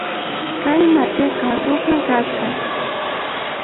Kay matiqa ruphan kasqa